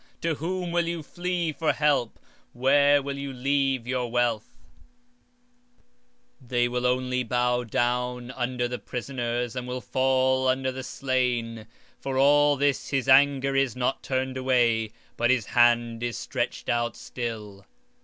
to whom will ye flee for help? and where will ye leave your glory? 20:4 Without me they shall bow down under the prisoners, and they shall fall under the slain. For all this his anger is not turned away, but his hand is stretched out still.